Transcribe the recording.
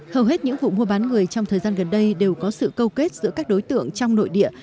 hầu hết những vụ mua bán người trong thời gian gần đây đều có sự câu kết giữa các đối tượng trong nội địa